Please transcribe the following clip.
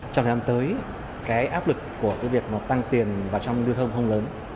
trong thời gian tới cái áp lực của cái việc nó tăng tiền vào trong lưu thơm không lớn